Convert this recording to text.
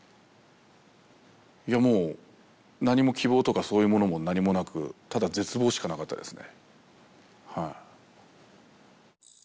いやもう何も希望とかそういうものも何もなくただ絶望しかなかったですね。